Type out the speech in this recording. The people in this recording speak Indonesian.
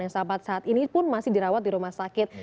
yang sahabat saat ini pun masih dirawat di rumah sakit